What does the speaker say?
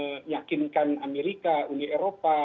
meyakinkan amerika uni eropa